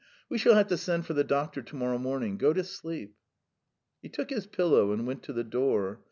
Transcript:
We shall have to send for the doctor to morrow morning. Go to sleep." He took his pillow and went to the door.